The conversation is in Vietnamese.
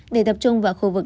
để tập trung vào khu vực